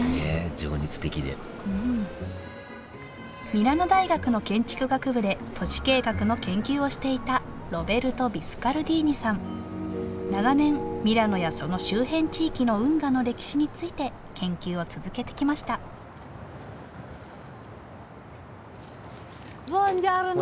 情熱的でミラノ大学の建築学部で都市計画の研究をしていた長年ミラノやその周辺地域の運河の歴史について研究を続けてきましたボンジョルノ。